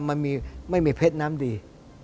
มันไม่มีเพชรน้ำดี